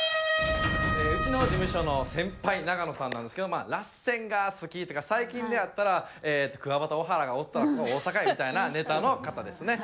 うちの事務所の先輩永野さんなんですけど「ラッセンが好き」とか最近であったら「クワバタオハラがおったらここは大阪や」みたいなネタの方ですね。